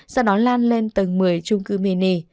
sau đó lan lên tầng một mươi trung cư mini